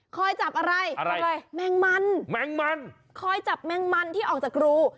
คอยจับอะไรแมงมันคอยจับแมงมันที่ออกจากรู